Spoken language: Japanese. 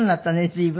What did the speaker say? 随分。